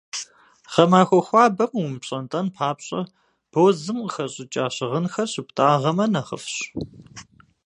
Гъэмахуэ хуабэм умыпщӏэнтӏэн папщӏэ, бозым къыхэщӏыкӏа щыгъынхэр щыптӏагъэмэ, нэхъыфӏщ.